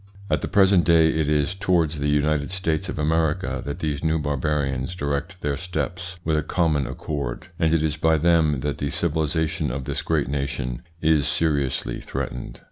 At the present day it is towards the United States of America that these new barbarians direct their steps with a common accord, and it is by them that the civilisation of this great nation is seriously threatened.